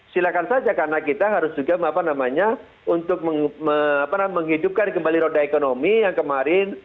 silakan saja karena kita harus juga untuk menghidupkan kembali roda ekonomi yang kemarin